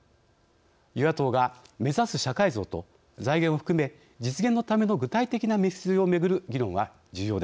与野党が目指す社会像と財源を含め実現のための具体的な道筋をめぐる議論は重要です。